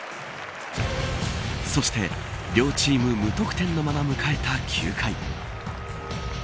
そして、両チーム無得点のまま迎えた９回。